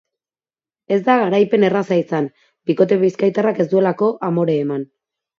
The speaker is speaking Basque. Ez da garaipen erraza izan, bikote bizkaitarrak ez duelako amore eman.